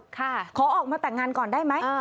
ขอออกมาแต่งงานก่อนได้ไหม